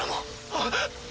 あっ。